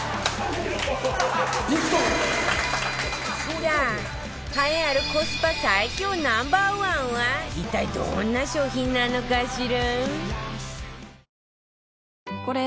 さあ栄えあるコスパ最強 Ｎｏ．１ は一体どんな商品なのかしら？